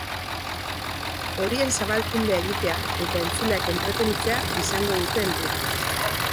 Horien zabalkundea egitea eta entzuleak entretenitzea izango dute helburu.